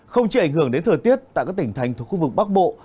không chỉ ảnh hưởng đến thời tiết tại các tỉnh thành thuộc khu vực bắc bộ